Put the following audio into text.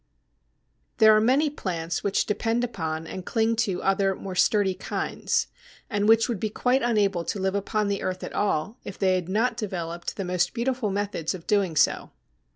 There are many plants which depend upon and cling to other more sturdy kinds, and which would be quite unable to live upon the earth at all if they had not developed the most beautiful methods of doing so.